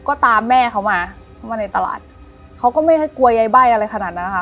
ก็ตามแม่เขามามาในตลาดเขาก็ไม่ให้กลัวยายใบ้อะไรขนาดนั้นนะคะ